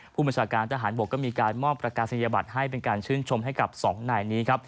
ผู้บัญชาการทหารบกก็มีการมอบประกาศนียบัตรให้เป็นการชื่นชมให้กับสองนายนี้ครับ